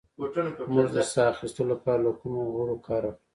موږ د ساه اخیستلو لپاره له کومو غړو کار اخلو